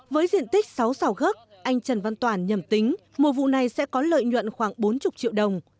với diện tích sáu xào gốc anh trần văn toàn nhầm tính mùa vụ này sẽ có lợi nhuận khoảng bốn mươi triệu đồng